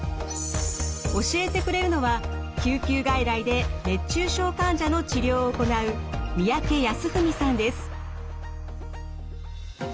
教えてくれるのは救急外来で熱中症患者の治療を行う三宅康史さんです。